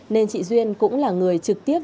nên chị duyên cũng là người trực tiếp